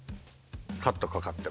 カットかかっても。